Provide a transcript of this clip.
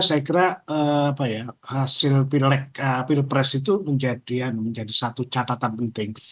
saya kira hasil pilpres itu menjadi satu catatan penting